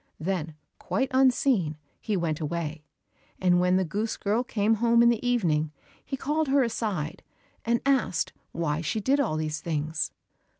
Then, quite unseen, he went away, and when the goose girl came home in the evening, he called her aside, and asked why she did all these things.